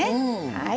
はい！